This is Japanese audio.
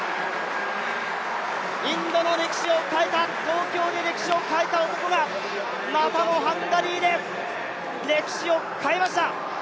インドの歴史を変えた、東京で歴史を変えた男がまたもハンガリーで歴史を変えました。